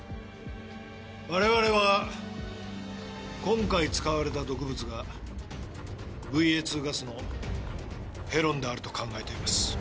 我々は今回使われた毒物がＶＡ２ガスのヘロンであると考えています。